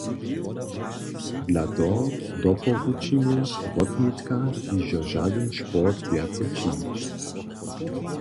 Dla toho doporučimy, wotnětka hižo žadyn sport wjace činić.